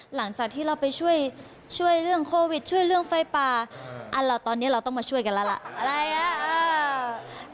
หลังจากที่เราไปช่วยช่วยเรื่องโควิดช่วยเรื่องไฟป่าอันล่ะตอนนี้เราต้องมาช่วยกันแล้วล่ะอะไรอ่ะ